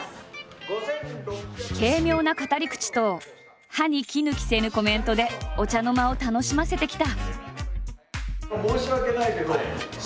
軽妙な語り口と歯に衣着せぬコメントでお茶の間を楽しませてきた。